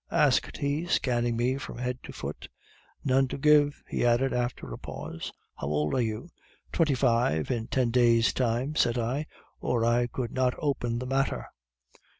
asked he, scanning me from head to foot. 'None to give,' he added after a pause, 'How old are you?' "'Twenty five in ten days' time,' said I, 'or I could not open the matter.